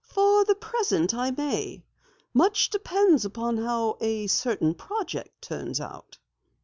"For the present, I may. Much depends upon how a certain project turns out."